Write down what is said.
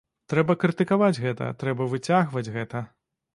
Трэба крытыкаваць гэта, трэба выцягваць гэта.